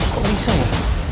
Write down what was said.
kok bisa ya